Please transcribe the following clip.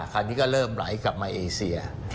คราวนี้ก็เริ่มไหลกลับมาเอเซีย